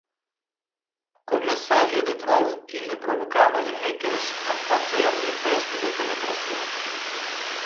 Con message de troll ille provocava le hackers a facer le test de penetration.